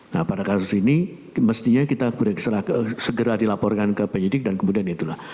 nah pada kasus ini mestinya kita segera dilaporkan ke penyidik dan kemudian itulah